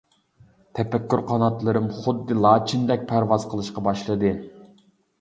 تەپەككۇر قاناتلىرىم خۇددى لاچىندەك پەرۋاز قىلىشقا باشلىدى.